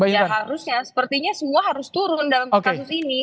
ya harusnya sepertinya semua harus turun dalam kasus ini